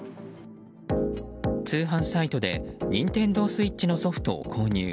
通販サイトでＮｉｎｔｅｎｄｏＳｗｉｔｃｈのソフトを購入。